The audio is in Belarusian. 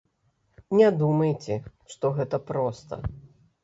Не думайце, што гэта проста.